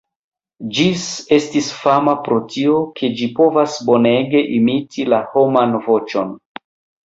Ĝis estis fama pro tio, ke ĝi povas bonege imiti la homan voĉon.